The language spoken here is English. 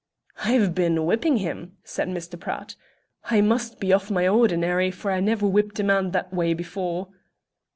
"I've been whipping him," said Mr. Pratt. "I must be off my ordinary, for I never whipped a man that way before."